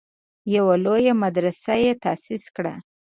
یوه لویه مدرسه یې تاسیس کړه.